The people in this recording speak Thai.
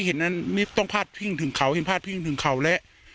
เห็นต้องผ่าดพิ่งถึงเขาเห็นผ่าดพิ่งถึงเขาแล้ว